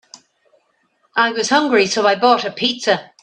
I was hungry, so I bought a pizza.